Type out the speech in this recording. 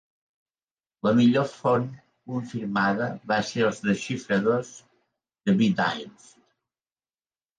La millor font confirmada va ser els desxifradors de "B-Dienst"